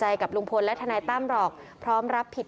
ปู่มหาหมุนีบอกว่าตัวเองอสูญที่นี้ไม่เป็นไรหรอก